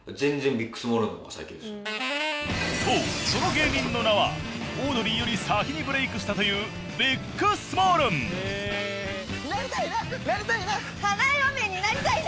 そうその芸人の名はオードリーより先にブレイクしたというなりたいななりたいな！